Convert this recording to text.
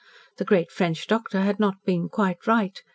The great French doctor had not been quite right.